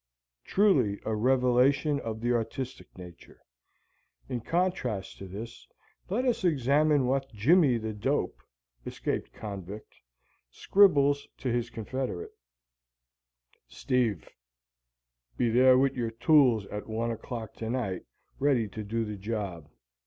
Truly a revelation of the artistic nature. In contrast to this, let us examine what Jimmie the Dope, escaped convict, scribbles to his confederate: Steve: Be there wit yer tools at one o'clock tonight ready to do the job.